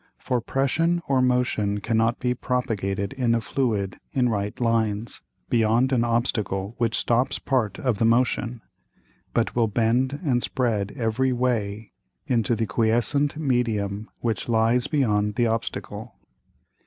For Pression or Motion cannot be propagated in a Fluid in right Lines, beyond an Obstacle which stops part of the Motion, but will bend and spread every way into the quiescent Medium which lies beyond the Obstacle.